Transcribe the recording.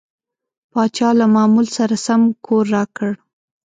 پاچا له معمول سره سم کور راکړ.